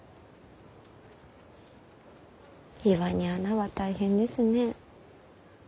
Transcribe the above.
岩に穴は大変ですねえ。